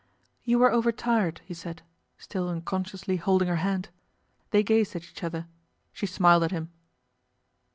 'You were over tired,' he said, still unconsciously holding her hand. They gazed at each other. She smiled at him.